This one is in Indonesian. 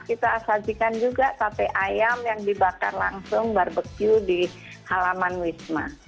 kita sajikan juga sate ayam yang dibakar langsung barbecue di halaman wisma